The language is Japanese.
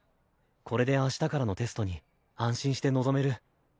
これで明日からのテストに安心して臨める。